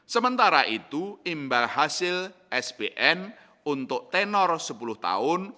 sementara itu imbal hasil sbn untuk tenor sepuluh tahun